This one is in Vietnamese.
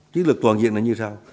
chiến lược toàn diện này như sao